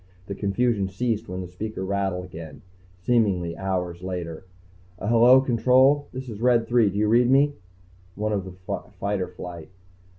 The confusion ceased when the speaker rattled again, seeming hours later. "Uh, hello, Control, this is Red Three, do you read me?" One of the fighter flight.